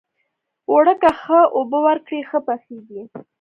اوړه که ښه اوبه ورکړې، ښه پخیږي